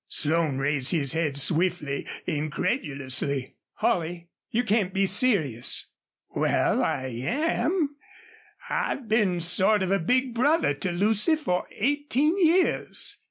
Slone raised his head swiftly, incredulously. "Holley! You can't be serious." "Wal, I am. I've been sort of a big brother to Lucy Bostil for eighteen years.